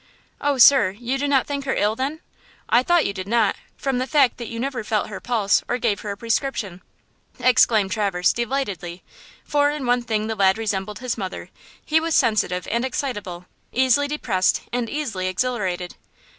"Oh, sir, you do not think her ill, then! I thought you did not, from the fact that you never felt her pulse or gave her a prescription," exclaimed Traverse, delightedly, for in one thing the lad resembled his mother–he was sensitive and excitable–easily depressed and easily exhilarated.